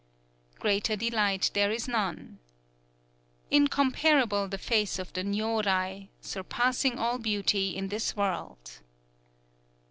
_" Greater delight there is none: "_Incomparable the face of the Nyōrai, surpassing all beauty in this world!